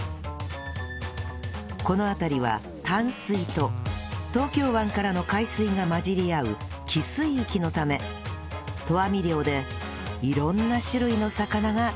この辺りは淡水と東京湾からの海水が混じり合う汽水域のため投網漁で色んな種類の魚が獲れるというのです